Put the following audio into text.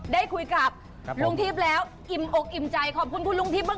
ได้คุยกับลุงทิพย์แล้วอิ่มอกอิ่มใจขอบคุณคุณลุงทิพย์มาก